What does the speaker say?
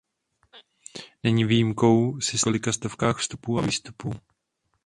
Není výjimkou systém o několika stovkách vstupů a výstupů.